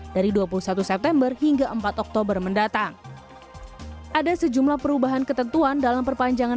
dari dua puluh satu september hingga empat oktober mendatang ada sejumlah perubahan ketentuan dalam perpanjangan